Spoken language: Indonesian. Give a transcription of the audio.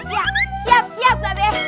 iya siap siap babe